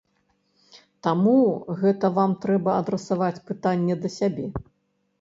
Таму гэта вам трэба адрасаваць пытанне да сябе.